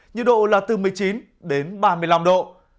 nhiệt độ là từ một mươi chín đến ba mươi năm độ